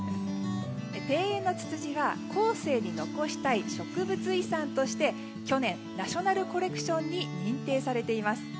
庭園のツツジは後世に残したい植物遺産として去年、ナショナルコレクションに認定されています。